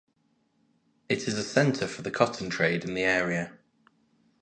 It is a centre for the cotton trade in the area.